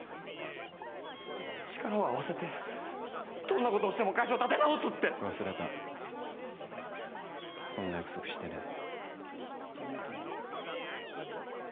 力を合わせてどんなことをしても会社を立て直すって忘れたそんな約束してねえ